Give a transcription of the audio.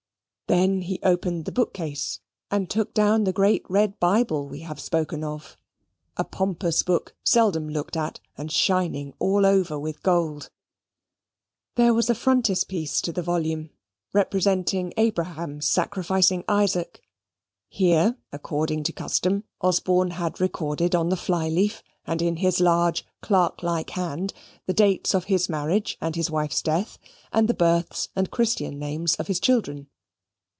Then he opened the book case, and took down the great red Bible we have spoken of a pompous book, seldom looked at, and shining all over with gold. There was a frontispiece to the volume, representing Abraham sacrificing Isaac. Here, according to custom, Osborne had recorded on the fly leaf, and in his large clerk like hand, the dates of his marriage and his wife's death, and the births and Christian names of his children.